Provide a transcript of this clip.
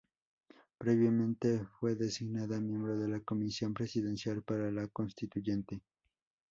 Previamente, fue designada miembro de la Comisión Presidencial para la Constituyente.